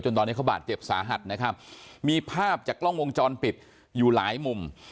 ตอนนี้เขาบาดเจ็บสาหัสนะครับมีภาพจากกล้องวงจรปิดอยู่หลายมุม